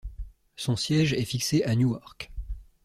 Son siège est fixé à Newark.